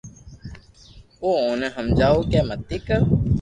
او اوني ھمجاوُ ڪہ متي ڪر